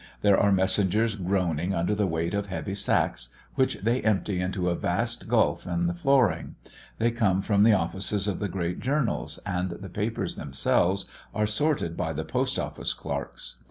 There are messengers groaning under the weight of heavy sacks, which they empty into a vast gulf in the flooring; they come from the offices of the great journals, and the papers themselves are sorted by the Post office clerks.